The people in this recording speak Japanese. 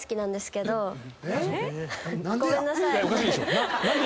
おかしいでしょ。